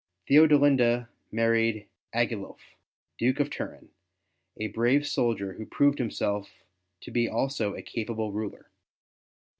Theodelinda married Agilulf, Duke of Turin, a brave soldier who proved himself to be also a capable ruler.